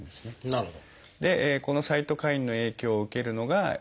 なるほど。